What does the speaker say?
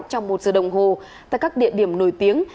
trong một giờ đồng hồ tại các địa điểm nổi tiếng